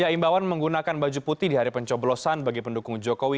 ya imbauan menggunakan baju putih di hari pencoblosan bagi pendukung jokowi